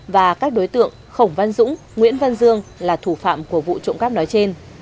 và các đối tượng khổng văn dũng nguyễn văn dương là thủ phạm của vụ trộm cắp nói trên